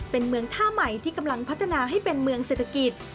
เป็นเมืองท่าใหม่ที่กำลังพัฒนาให้เป็นเมืองเศรษฐกิจ